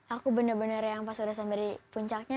aku bener bener yang pas udah sampai di puncaknya